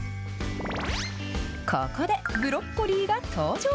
ここでブロッコリーが登場。